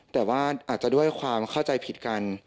แต่ว่าอาจจะด้วยความเข้าใจผิดกัน